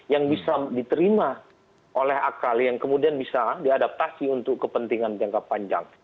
yang bisa diterima oleh akal yang kemudian bisa diadaptasi untuk kepentingan jangka panjang